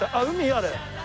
あれ。